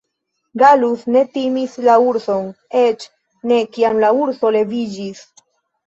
Gallus ne timis la urson, eĉ ne, kiam la urso leviĝis.